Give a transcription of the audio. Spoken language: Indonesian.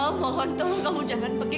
oh mohon tunggu kamu jangan pergi